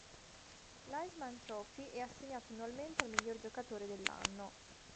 L'Heisman Trophy è assegnato annualmente al miglior giocatore dell'anno.